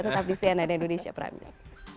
tetap di cnn indonesia pramidz